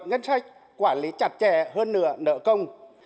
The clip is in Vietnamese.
ngân sách quản lý chặt chẽ hơn nữa nợ công